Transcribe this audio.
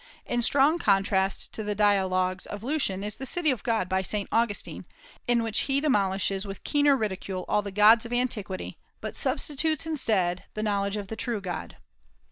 In strong contrast to the "Dialogues" of Lucian is the "City of God" by Saint Augustine, in which he demolishes with keener ridicule all the gods of antiquity, but substitutes instead the knowledge of the true God.